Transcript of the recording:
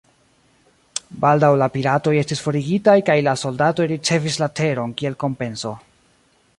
Baldaŭ la piratoj estis forigitaj kaj la soldatoj ricevis la teron kiel kompenso.